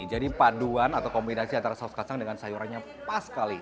jadi paduan atau kombinasi antara saus kacang dengan sayurannya pas sekali